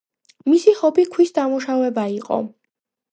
მისი ჰობი ქვის დამუშავება იყო.